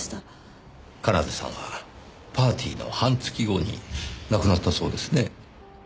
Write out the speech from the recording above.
奏さんはパーティーの半月後に亡くなったそうですね。